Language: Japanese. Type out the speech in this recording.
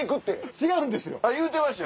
違うんですよ。